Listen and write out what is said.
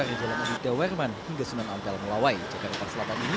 di jalan aditya werman hingga sunan ampel melawai jakarta selatan ini